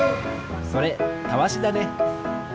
それたわしだね。